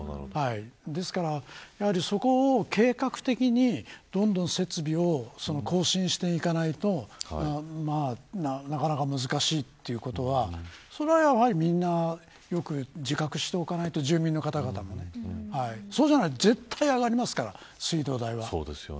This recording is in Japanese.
ですからそこを計画的にどんどん設備を更新していかないとなかなか難しいということはみんながよく自覚しておかないと住民の方々もそうじゃないと絶対上がりますから、水道代は。